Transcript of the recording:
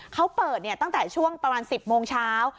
เขาเปิดตั้งแต่ช่วงประมาณ๑๐โมงเช้า